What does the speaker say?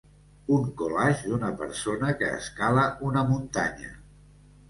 Un collage d'una persona que escala una muntanya.